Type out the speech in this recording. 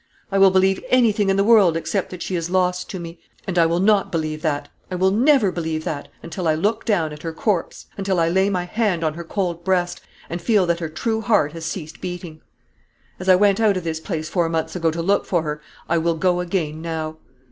I will believe anything in the world except that she is lost to me. And I will not believe that, I will never believe that, until I look down at her corpse; until I lay my hand on her cold breast, and feel that her true heart has ceased beating. As I went out of this place four months ago to look for her, I will go again now.